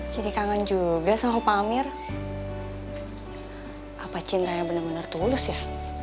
jadi kangen juga sama pak amir apa cintanya benar benar tulus ya